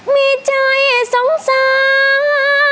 มีใจสงสาร